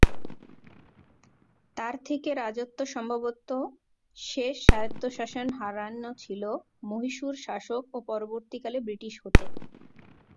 তার থেকে রাজত্ব সম্ভবত শেষ স্বায়ত্তশাসন হারান ছিল মহীশূর শাসক ও পরবর্তীকালে ব্রিটিশ হতে।